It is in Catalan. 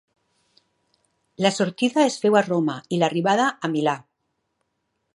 La sortida es féu a Roma i l'arribada a Milà.